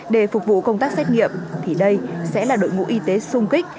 để phục vụ công tác xét nghiệm thì đây sẽ là đội ngũ y tế sung kích